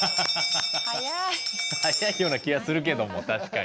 早いような気がするけども確かに。